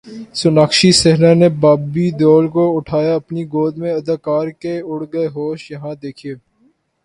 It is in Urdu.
سوناکشی سنہا نے بابی دیول کو اٹھایا اپنی گود میں اداکار کے اڑ گئے ہوش، یہاں دیکھئے